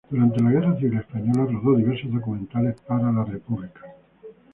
Durante la Guerra Civil Española rodó diversos documentales para el bando republicano.